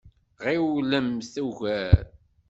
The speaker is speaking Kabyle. Ɣiwlemt ugar!